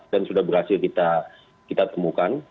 sudah berhasil kita temukan